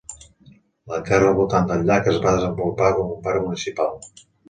La terra al voltant del llac es va desenvolupar com un parc municipal.